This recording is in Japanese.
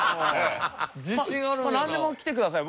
なんでもきてください。